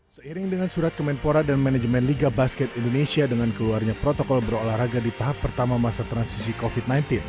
seiring dengan surat kemenpora dan manajemen liga basket indonesia dengan keluarnya protokol berolahraga di tahap pertama masa transisi covid sembilan belas